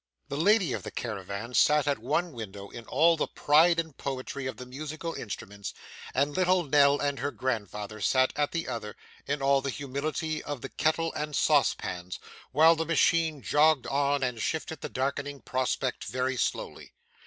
The lady of the caravan sat at one window in all the pride and poetry of the musical instruments, and little Nell and her grandfather sat at the other in all the humility of the kettle and saucepans, while the machine jogged on and shifted the darkening prospect very slowly.